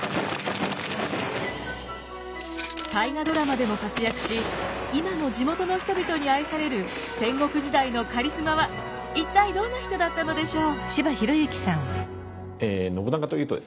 「大河ドラマ」でも活躍し今も地元の人々に愛される戦国時代のカリスマは一体どんな人だったのでしょう？